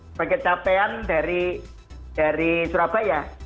sebagai capaian dari surabaya